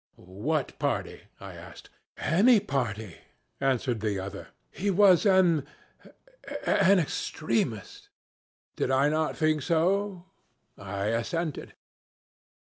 'What party?' I asked. 'Any party,' answered the other. 'He was an an extremist.' Did I not think so? I assented.